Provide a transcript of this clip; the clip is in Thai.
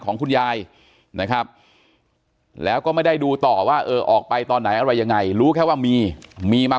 ของคุณยายนะครับแล้วก็ไม่ได้ดูต่อว่าเออออกไปตอนไหนอะไรยังไงรู้แค่ว่ามีมีมา